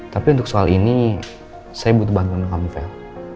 tapi untuk soal ini saya butuh bantuan dari kamu vel